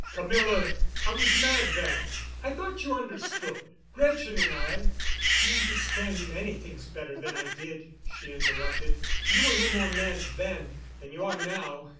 "Camilla! I was mad then. I thought you understood. Gretchen and I——" "I understand many things better than I did," she interrupted. "You were no more mad then than you are now.